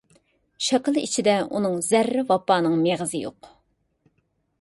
شاكىلى ئىچىدە ئۇنىڭ زەررە ۋاپانىڭ مېغىزى يوق.